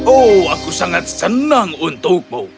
oh aku sangat senang untukmu